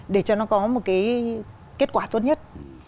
để cho nó có một cái kết quả tốt nhất